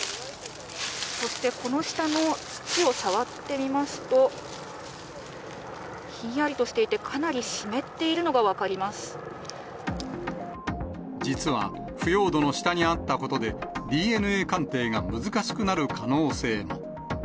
そしてこの下の土を触ってみますと、ひんやりとしていて、実は、腐葉土の下にあったことで、ＤＮＡ鑑定が難しくなる可能性も。